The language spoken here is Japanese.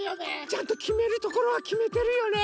ちゃんときめるところはきめてるよね。